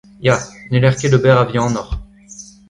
Ya, n'heller ket ober a-vihanoc'h.